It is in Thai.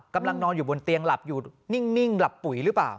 กำลังนอนอยู่บนเตียงหลับอยู่นิ่งหลับปุ๋ยหรือเปล่า